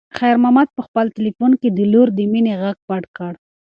خیر محمد په خپل تلیفون کې د لور د مینې غږ پټ کړ.